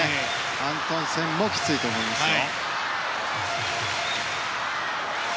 アントンセンもきついと思いますよ。